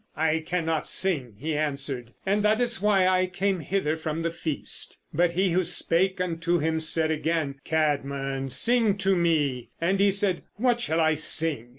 "I cannot sing," he answered, "and that is why I came hither from the feast." But he who spake unto him said again, "Cædmon, sing to me." And he said, "What shall I sing?"